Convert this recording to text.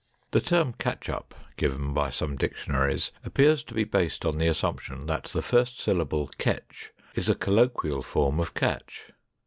The term catchup given by some dictionaries appears to be based on the assumption that the first syllable ketch is a colloquial form of catch.